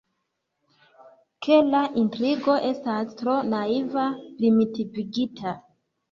Ke la intrigo estas tro naiva, primitivigita.